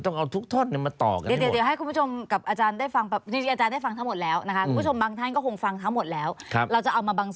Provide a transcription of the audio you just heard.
ต้องเอาทุกท่อนนี้มาต่อกันให้หมด